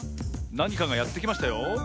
なにかがやってきましたよ。